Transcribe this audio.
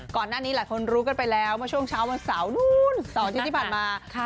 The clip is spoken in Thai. ก่อนหน้านี้หลายคนรู้กันไปแล้วเมื่อช่วงเช้าวันเสาร์นู้นเสาร์อาทิตย์ที่ผ่านมา